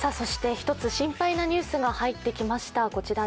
一つ心配なニュースが入ってきました。